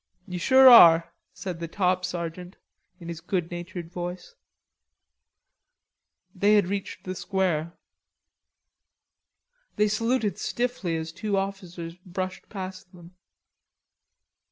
"You sure are," said the top sergeant in his good natured voice. They had reached the square. They saluted stiffly as two officers brushed past them.